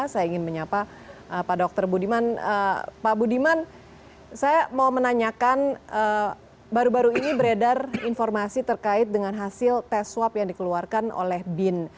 saya ingin menyapa pak dr budiman pak budiman saya mau menanyakan baru baru ini beredar informasi terkait dengan hasil tes swab yang dikeluarkan oleh bin